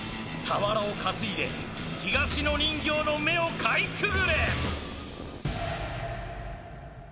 俵を担いで東野人形の目をかいくぐれ！